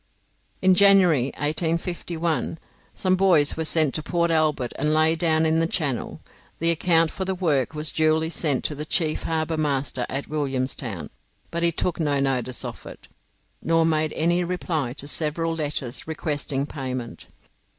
In January, 1851, some buoys were sent to Port Albert and laid down in the channel. The account for the work was duly sent to the chief harbour master at Williamstown, but he took no notice of it, nor made any reply to several letters requesting payment.